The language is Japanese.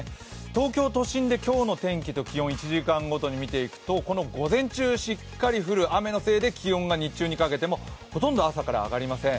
東京都心で今日の天気と気温、１時間ごとに見ていくとこの午前中しっかり降る雨のせいで、気温がほとんど朝から上がりません。